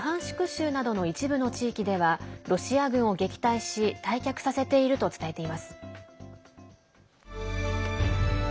州などの一部の地域ではロシア軍を撃退し退却させていると伝えています。